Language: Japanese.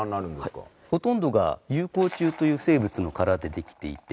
ほとんどが有孔虫という生物の殻でできていて。